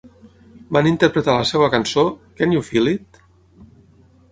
Van interpretar la seva cançó "Can You Feel It?".